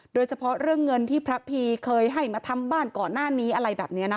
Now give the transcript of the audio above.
โดยเฉพาะเรื่องเงินที่พระพีเคยให้มาทำบ้านก่อนหน้านี้อะไรแบบนี้นะคะ